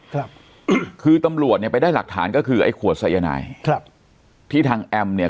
ครับคือตำรวจเนี่ยไปได้หลักฐานก็คือไอ้ขวดสายนายครับที่ทางแอมเนี่ย